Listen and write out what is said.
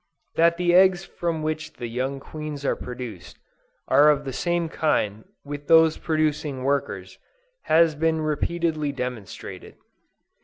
That the eggs from which the young queens are produced, are of the same kind with those producing workers, has been repeatedly demonstrated.